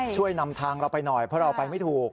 ช่วยนำทางเราไปหน่อยเพราะเราไปไม่ถูก